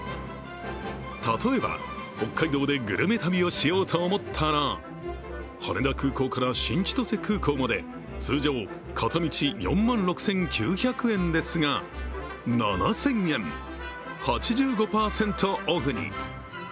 例えば北海道でグルメ旅をしようと思ったら羽田空港から新千歳空港まで、通常、片道４万６９００円ですが７０００円、８５％オフに。